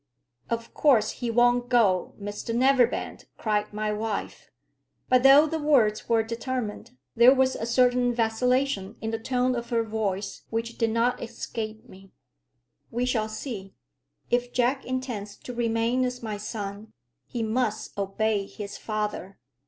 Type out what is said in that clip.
"Of course he won't go, Mr Neverbend," cried my wife. But, though the words were determined, there was a certain vacillation in the tone of her voice which did not escape me. "We shall see. If Jack intends to remain as my son, he must obey his father.